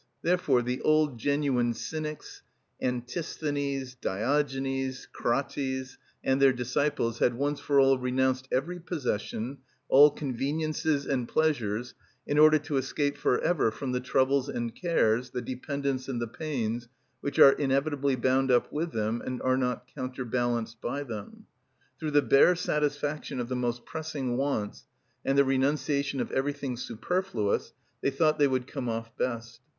Ibid._) Therefore the old, genuine Cynics, Antisthenes, Diogenes, Krates, and their disciples had once for all renounced every possession, all conveniences and pleasures, in order to escape for ever from the troubles and cares, the dependence and the pains, which are inevitably bound up with them and are not counterbalanced by them. Through the bare satisfaction of the most pressing wants and the renunciation of everything superfluous they thought they would come off best.